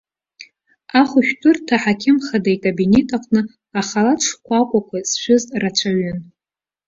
Ахәшәтәырҭа аҳақьым хада икабинет аҟны ахалаҭ шкәак әақәа зшәыз рацәаҩын.